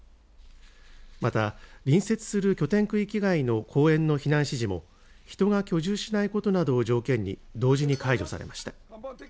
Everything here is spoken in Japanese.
また、隣接する拠点区域外の公園の避難指示も人が居住しないことなどを条件に同時に解除されました。